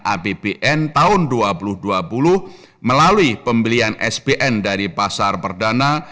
apbn tahun dua ribu dua puluh melalui pembelian sbn dari pasar perdana